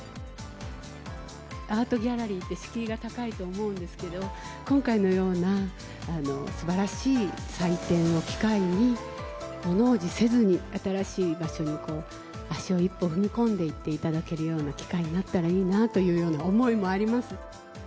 アートギャラリーって敷居が高いと思うんですけど今回のような素晴らしい祭典を機会に物怖じせずに、新しい場所に足を一歩踏み込んでいっていただけるような機会になったらいいなというような思いもあります。